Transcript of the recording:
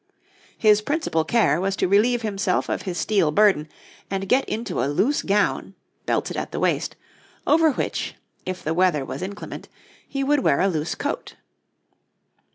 His principal care was to relieve himself of his steel burden and get into a loose gown, belted at the waist, over which, if the weather was inclement, he would wear a loose coat.